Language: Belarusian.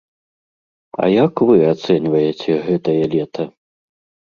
А як вы ацэньваеце гэтае лета?